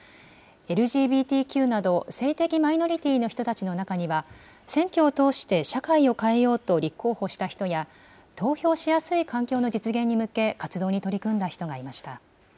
ＬＧＢＴＱなど性的マイノリティーの人たちの中には、選挙を通して社会を変えようと立候補した人や、投票しやすい環境の実現に向け、活動に取り組んだ人がいました。